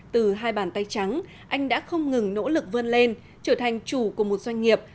từ hai bàn tay trắng anh đã không ngừng nỗ lực vươn lên trở thành chủ của một doanh nghiệp